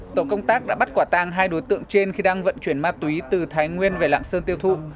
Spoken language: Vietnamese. tổ công tác đã bắt quả tang hai đối tượng trên khi đang vận chuyển ma túy từ thái nguyên về lạng sơn tiêu thụ